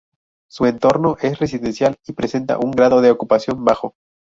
Su entorno es residencial y presenta un grado de ocupación bajo.